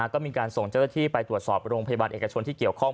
ก็มีการส่งเจ้าหน้าที่ไปตรวจสอบโรงพยาบาลเอกชนที่เกี่ยวข้อง